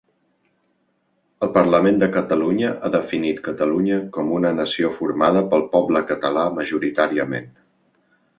El Parlament de Catalunya ha definit Catalunya com una nació formada pel poble català majoritàriament.